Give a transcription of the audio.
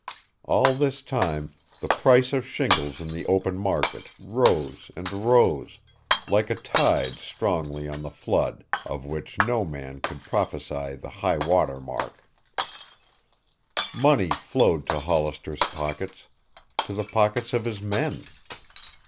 All this time the price of shingles in the open market rose and rose, like a tide strongly on the flood, of which no man could prophesy the high water mark. Money flowed to Hollister's pockets, to the pockets of his men.